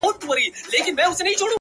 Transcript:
دا به نو حتمي وي کرامت د نوي کال؛